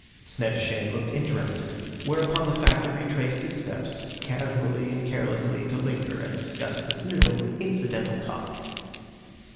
Snettishane looked interested, whereupon the Factor retraced his steps, casually and carelessly to linger and discuss this new and incidental topic.